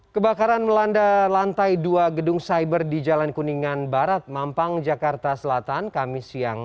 kebakaran melanda lantai dua gedung cyber di jalan kuningan barat mampang jakarta selatan kamis siang